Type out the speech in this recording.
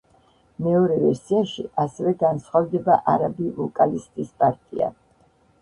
მეორე ვერსიაში ასევე განსხვავდება არაბი ვოკალისტის პარტია.